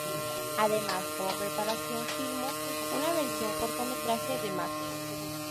Además como preparación filmó una versión cortometraje de "Mac".